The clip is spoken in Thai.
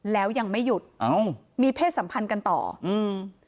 แล้วยังไม่หยุดเอ้ามีเพศสัมพันธ์กันต่ออืม